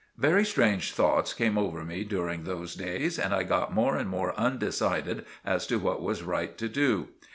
Very strange thoughts came over me during those days and I got more and more undecided as to what was right to do.